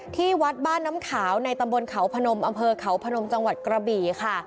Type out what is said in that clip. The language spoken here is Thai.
ที่วัดบ้านน้ำขาวในตำบลเขาพนมอำเภอเขาพนมจังหวัดกระบี่ค่ะ